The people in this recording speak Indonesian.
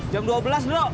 jam dua belas dulu